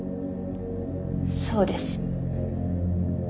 そうです。